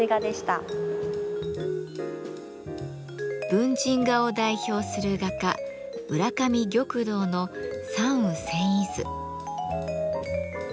文人画を代表する画家浦上玉堂の「山雨染衣図」。